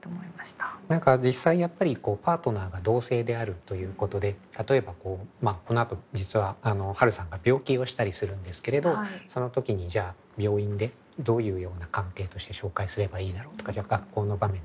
実際やっぱりパートナーが同性であるということで例えばこのあと実は春さんが病気をしたりするんですけれどその時にじゃあ病院でどういうような関係として紹介すればいいだろうとか学校の場面